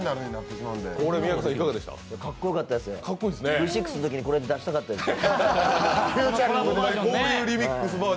かっこよかったです、Ｖ６のとき、これで出したかったです。